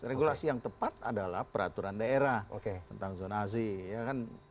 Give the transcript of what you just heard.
regulasi yang tepat adalah peraturan daerah tentang zona azim